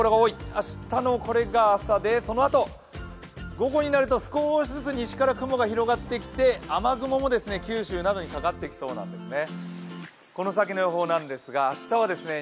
明日の朝でそのあと、午後になると少しずつ西から雲が広がってきて雨雲も九州などにかかってきそうなんですね。